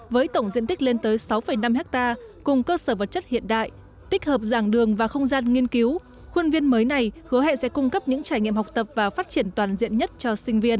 với tổng diện tích lên tới sáu năm hectare cùng cơ sở vật chất hiện đại tích hợp giảng đường và không gian nghiên cứu khuôn viên mới này hứa hẹn sẽ cung cấp những trải nghiệm học tập và phát triển toàn diện nhất cho sinh viên